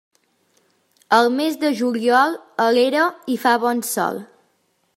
Al mes de juliol, a l'era hi fa bon sol.